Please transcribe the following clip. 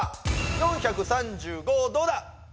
４３５どうだ？